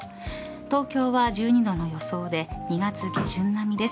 東京は１２度の予想で２月下旬並みです。